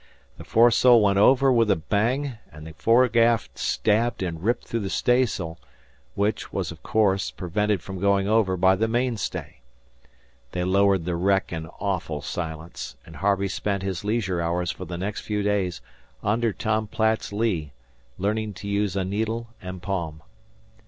The foresail went over with a bang, and the foregaff stabbed and ripped through the staysail, which was, of course, prevented from going over by the mainstay. They lowered the wreck in awful silence, and Harvey spent his leisure hours for the next few days under Tom Platt's lee, learning to use a needle and palm.